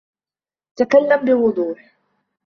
تكلم بوضوح.